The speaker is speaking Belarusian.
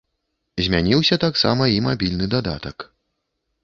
Змяніўся таксама і мабільны дадатак.